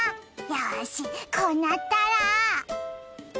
「よしこうなったら」